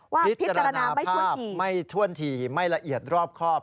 พิจารณาภาพไม่ถ้วนถี่ไม่ละเอียดรอบครอบ